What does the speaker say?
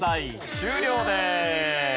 終了です！